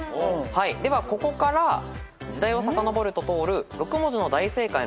ではここから「時代をさかのぼると通る６文字の大正解の言葉は？」